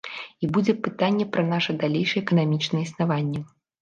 І будзе пытанне пра наша далейшае эканамічнае існаванне.